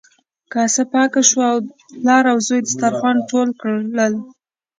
کاسه پاکه شوه او پلار او زوی دسترخوان ټول کړل.